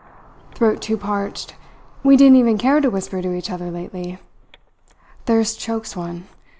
"Throat too parched. We didn't even care to whisper to each other lately. Thirst chokes one.